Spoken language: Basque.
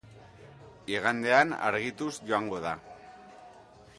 Igandean argituz joango da.